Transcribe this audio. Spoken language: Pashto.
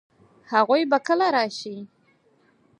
هغوی به کله راشي؟